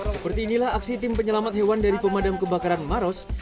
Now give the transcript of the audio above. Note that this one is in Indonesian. seperti inilah aksi tim penyelamat hewan dari pemadam kebakaran maros